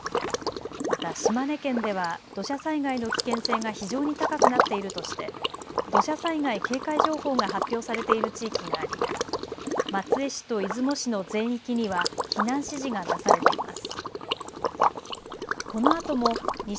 また島根県では土砂災害の危険性が非常に高くなっているとして土砂災害警戒情報が発表されている地域があり松江市と出雲市の全域には避難指示が出されています。